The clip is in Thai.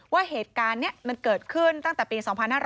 ว่าเหตุการณ์นี้มันเกิดขึ้นตั้งแต่ปี๒๕๕๙